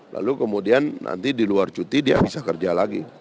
lalu kemudian nanti diluar cuti dia bisa kerja lagi